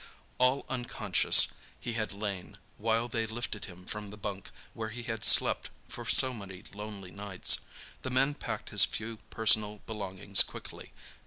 All unconscious he had lain while they lifted him from the bunk where he had slept for so many lonely nights. The men packed his few personal belongings quickly.